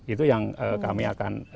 itu yang kami akan